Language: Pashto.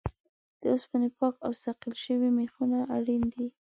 د اوسپنې پاک او صیقل شوي میخونه اړین دي.